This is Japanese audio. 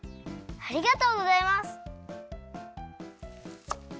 ありがとうございます！